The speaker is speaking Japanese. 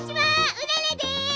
うららです！